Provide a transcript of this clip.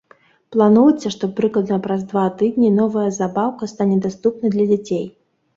Плануецца, што прыкладна праз два тыдні новая забаўка стане даступнай для дзяцей.